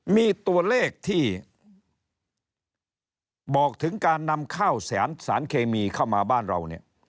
มีตัวเลขที่บอกถึงการนำข้าวสารเคมีเข้ามาบ้านเราเนี่ย